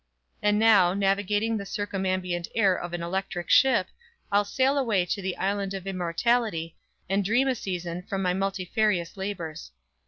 And now, navigating the circumambient air in an electric ship, I'll sail away to the "Island of Immortality," and dream a season from my multifarious labors.